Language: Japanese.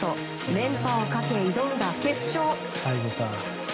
連覇をかけ挑んだ決勝。